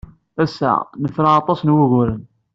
Ass-a, nefra aṭas n wuguren.